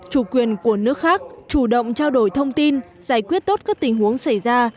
chủ quyền của nước khác chủ động trao đổi thông tin giải quyết tốt các tình huống xảy ra